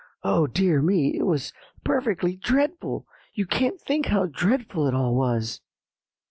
Oh, dear me! it was perfectly dreadful; you can't think how dreadful it all was."